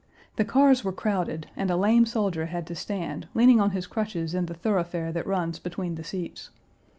The cars were crowded and a lame soldier had to stand, leaning on his crutches in the thoroughfare that runs between the seats.